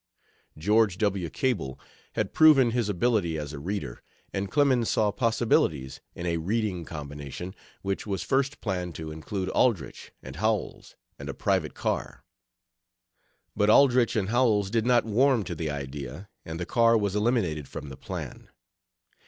George W. Cable had proven his ability as a reader, and Clemens saw possibilities in a reading combination, which was first planned to include Aldrich, and Howells, and a private car. But Aldrich and Howells did not warm to the idea, and the car was eliminated from the plan.